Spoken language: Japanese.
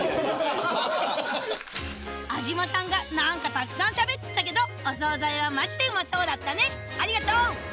安島さんが何かたくさんしゃべってたけどお総菜はマジでうまそうだったねありがとう！